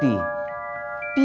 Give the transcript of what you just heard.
kita gak bisa hapus selfie